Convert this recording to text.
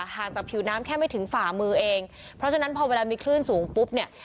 ห่างจากผิวน้ำแค่ไม่ถึงฝ่ามือเองเพราะฉะนั้นพอเวลามีคลื่นสูงปุ๊บเนี่ย